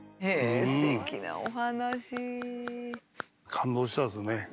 感動したですね。